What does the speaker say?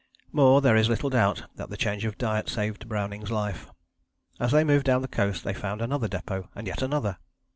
More, there is little doubt that the change of diet saved Browning's life. As they moved down the coast they found another depôt, and yet another.